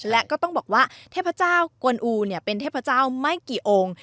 และก็ต้องบอกว่าเทพเจ้ากวนอูเป็นเทพเจ้าไม่กี่องค์